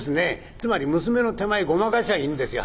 つまり娘の手前ごまかしゃいいんですよ。